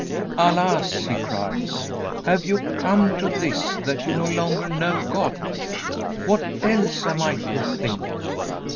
"Alas," he cries, "have you come to this, that you no longer know God? What else am I to think?